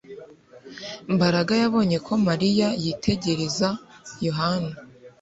Mbaraga yabonye ko Mariya yitegereza Yohana